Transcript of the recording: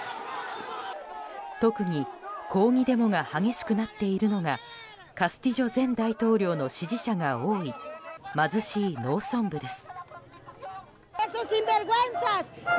特に抗議デモが激しくなっているのがカスティジョ前大統領の支持者が多い貧しい農村部です。